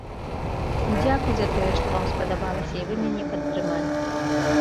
Дзякуй за тое, што вам спадабалася і вы мяне падтрымалі.